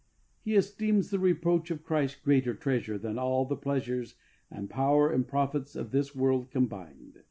He esteems the reproach of Christ greater treasure than all the pleasure and power and profits of this world combined.